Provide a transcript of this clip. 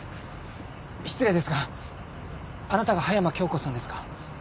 失礼ですがあなたが葉山今日子さんですか？